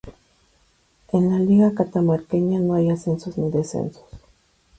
En la Liga Catamarqueña no hay ascensos ni descensos.